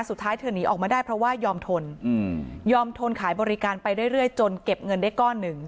สุดท้ายเธอหนีออกมาได้เพราะว่ายอมทนยอมทนขายบริการไปเรื่อยจนเก็บเงินได้ก้อนหนึ่ง